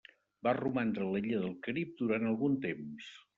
Va romandre a l'illa del Carib durant algun temps.